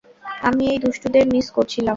আমি এই দুষ্টুদের মিস করছিলাম।